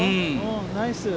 ナイス。